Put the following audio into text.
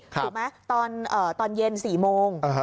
ถูกไหมตอนเย็น๔โมง